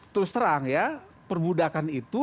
terus terang ya perbudakan itu